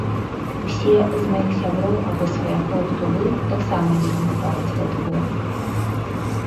Усе з маіх сяброў або сваякоў, хто быў, таксама вельмі хваляць гэты горад.